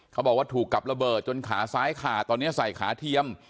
เขาบอกว่าถูกกับระเบิดจนขาซ้ายขาดตอนนี้ใส่ขาเทียม